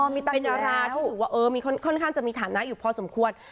มีต่างเวลาเป็นนางที่ถือว่าเออมีค่อนข้างจะมีฐานักอยู่พอสมควร